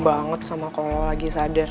banget sama kalau lagi sadar